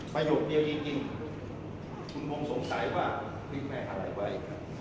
ประโยคเดียวจริงคุณมมสงสัยว่าว่ายิ่งไปอะไรไว้